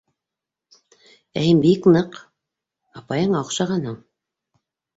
Ә һин бик ныҡ... апайыңа оҡшағанһың.